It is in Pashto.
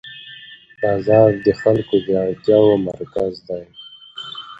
بازار د خلکو د اړتیاوو مرکز دی